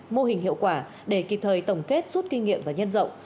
mô hình hiệu quả để kịp thời tổng kết rút kinh nghiệm và nhân rộng